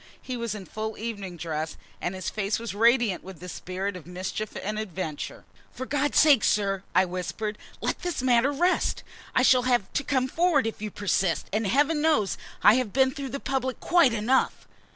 He was in full evening dress, and his face was radiant with the spirit of mischief and adventure. "For God's sake, sir," I whispered, "let this matter rest. I shall have to come forward if you persist, and Heaven knows I have been before the public quite enough!"